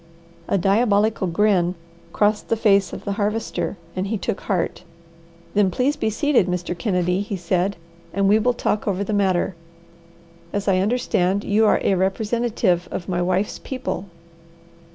A diabolical grin crossed the face of the Harvester, and he took heart. "Then please be seated, Mr. Kennedy," he said, "and we will talk over the matter. As I understand, you are a representative of my wife's people."